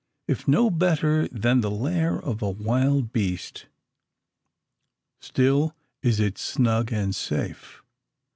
If no better than the lair of a wild beast, still is it snug and safe.